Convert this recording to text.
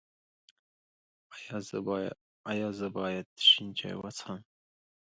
ایا زه باید شین چای وڅښم؟